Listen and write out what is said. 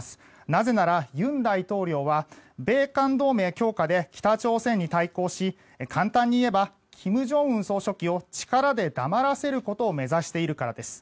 なぜなら尹大統領は米韓同盟強化で北朝鮮に対抗し簡単に言えば、金正恩総書記を力で黙らせることを目指しているからです。